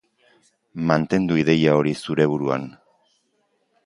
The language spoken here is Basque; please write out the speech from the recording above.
Mantendu ideia hori zure buruan.